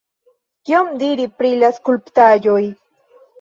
Kion diri pri la skulptaĵoj?